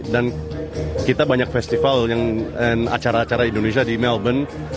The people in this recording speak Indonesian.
dan kita banyak festival dan acara acara indonesia di melbourne